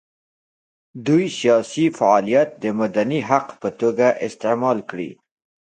دوی سیاسي فعالیت د مدني حق په توګه استعمال کړي.